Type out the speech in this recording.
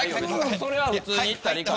それは普通に行ったら。